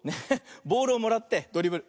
ボールをもらってドリブル。